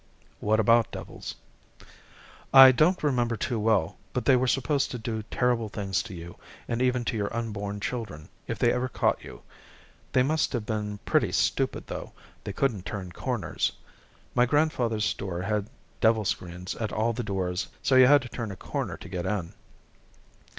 "What about devils?" "I don't remember too well, but they were supposed to do terrible things to you and even to your unborn children if they ever caught you. They must have been pretty stupid though; they couldn't turn corners. My grandfather's store had devil screens at all the doors so you had to turn a corner to get in.